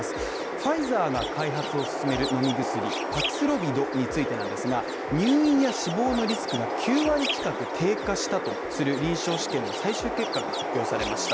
ファイザーが開発を進める飲み薬パクスロビドについてなんですが、入院や死亡のリスクが９割近く低下したとする臨床試験の最終結果が発表されました。